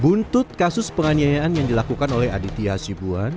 buntut kasus penganiayaan yang dilakukan oleh aditya hasibuan